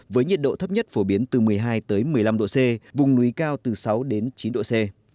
với nhiệt độ thấp nhất phổ biến từ một mươi hai một mươi năm độ c vùng núi cao từ sáu đến chín độ c